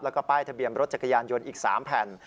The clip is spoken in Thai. แล้วก็ป้ายทะเบียนรถจักรยานยนต์อีก๓แผ่น